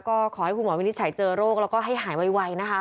ก็ขอให้คุณหมอวินิจฉัยเจอโรคแล้วก็ให้หายไวนะคะ